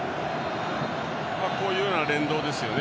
こういうような連動ですね